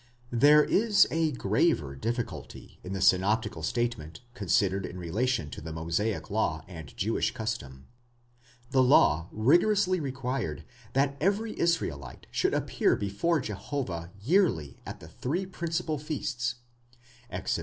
There is a graver difficulty in the synoptical statement, considered in rela tion to the Mosaic law and Jewish custom. The law rigorously required that every Israelite should appear before Jehovah yearly at the three principal feasts (Exod.